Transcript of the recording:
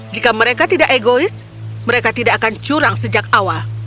jika mereka tidak egois mereka tidak akan curang sejak awal